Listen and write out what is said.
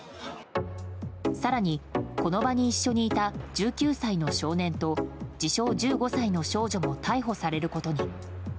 更に、この場に一緒にいた１９歳の少年と自称１５歳の少女も逮捕されることに。